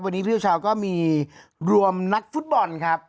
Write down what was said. วันนี้พี่เช้าก็มีรวมนักฟุตบอลครับ